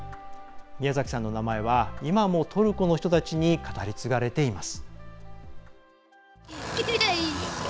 宮崎さんの名前は今もトルコの人たちに語り継がれています。